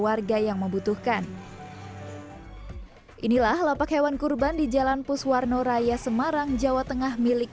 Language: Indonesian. warga yang membutuhkan inilah lapak hewan kurban di jalan puswarno raya semarang jawa tengah milik